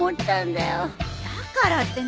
だからってね